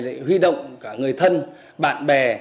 lại huy động cả người thân bạn bè